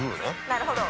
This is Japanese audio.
なるほど。